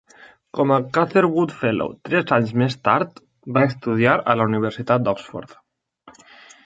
Com a Catherwood Fellow tres anys més tard, va estudiar a la Universitat d'Oxford.